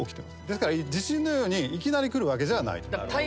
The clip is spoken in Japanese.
ですから地震のようにいきなりくるわけじゃない。